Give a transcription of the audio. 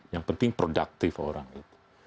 yang penting produktif orang itu